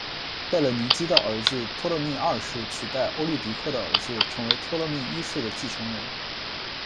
贝勒尼基的儿子托勒密二世取代欧律狄刻的儿子成为托勒密一世的继承人。